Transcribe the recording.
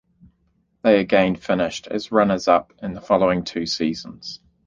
They again finished as runners-up the following two seasons.